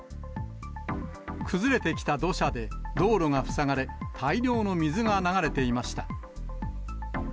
崩れてきた土砂で道路がふさがれ、大量の水が流れていました。